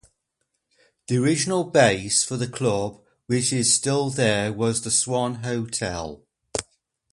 The original base for the Club which is still there was The Swan Hotel.